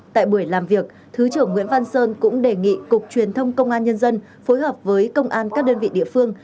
tại buổi làm việc thứ trưởng nguyễn văn sơn cũng đề nghị cục truyền thông công an nhân dân phối hợp với công an các đơn vị địa phương